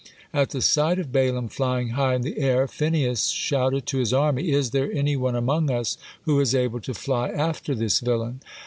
At the sight of Balaam flying high in the air, Phinehas shouted to his army, "Is there any one among us who is able to fly after this villain?"